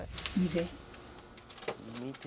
「見て！」。